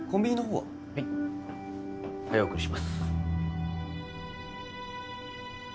はい早送りします